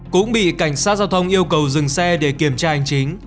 cũng bị cảnh sát giao thông yêu cầu dừng xe để kiểm tra hành chính